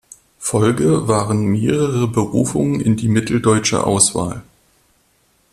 Folge waren mehrere Berufungen in die mitteldeutsche Auswahl.